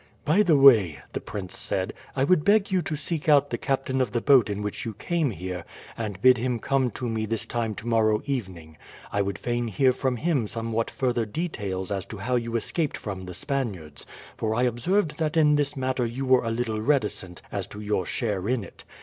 "By the way," the prince said, "I would beg you to seek out the captain of the boat in which you came here, and bid him come to me this time tomorrow evening. I would fain hear from him somewhat further details as to how you escaped from the Spaniards, for I observed that in this matter you were a little reticent as to your share in it.